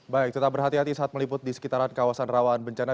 baik tetap berhati hati saat meliput di sekitaran kawasan rawan bencana